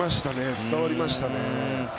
伝わりましたね。